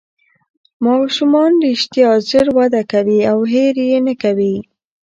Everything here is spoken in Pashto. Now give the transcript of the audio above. ماشومان رښتیا ژر زده کوي او هېر یې نه کوي